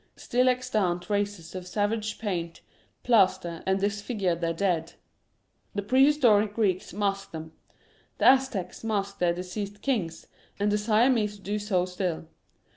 Still extant races of savages paint, plaster, and dis figure their dead. The prehistoric Greeks masked them. The Aztecs masked their deceased kings, and the Siamese do so still.